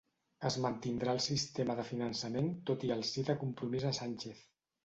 Es mantindrà el sistema de finançament tot i el sí de Compromís a Sánchez